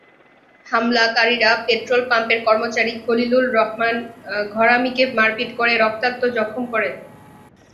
হামলাকারীরা পেট্রলপাম্পের কর্মচারী খলিলুর রহমান ঘরামিকে মারপিট করে রক্তাক্ত জখম করে।